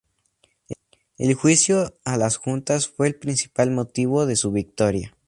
El Juicio a las Juntas fue el principal motivo de su victoria.